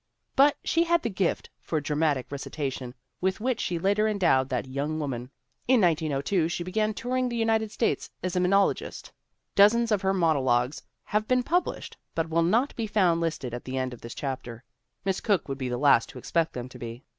But she had the gift for dramatic recitation with which she later endowed that young woman. In 1902 she began touring the United States as a monologist. Dozens of her monologues have been published but will not be found listed at the end of this chapter. Miss Cooke would be the last to expect them to be.